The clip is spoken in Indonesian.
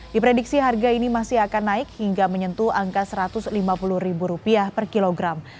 diprediksi harga ini masih akan naik hingga menyentuh angka rp satu ratus lima puluh per kilogram